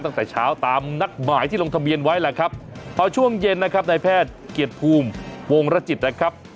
ตั้งแต่เช้าตามนัดหมายที่ลงทะเบียนไว้แหละครับพอช่วงเย็นนะครับในแพทย์เกียรติภูมิวงรจิตนะครับ